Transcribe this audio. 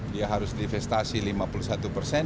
dia harus divestasi lima puluh satu persen